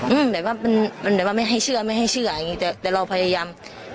อืมแบบว่าไม่ให้เชื่อไม่ให้เชื่อแต่เราพยายาม